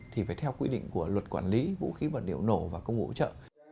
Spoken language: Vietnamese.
thì phải theo quy định của luật quản lý vũ khí vật liệu nổ và công cụ hỗ trợ